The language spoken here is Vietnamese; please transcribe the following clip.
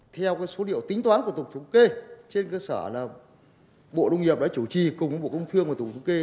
theo số điệu tính toán của tổng thống kê trên cơ sở là bộ nông nghiệp đã chủ trì cùng bộ công thương của tổng thống kê